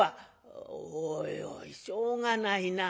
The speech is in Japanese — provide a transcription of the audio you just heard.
「おいおいしょうがないな。